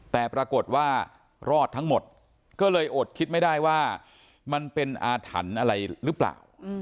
แต่ปรากฏว่ารอดทั้งหมดก็เลยอดคิดไม่ได้ว่ามันเป็นอาถรรพ์อะไรหรือเปล่า